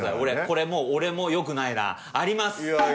これもう俺もよくないな。あります！